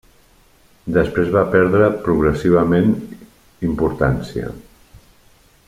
Després va perdre progressivament importància.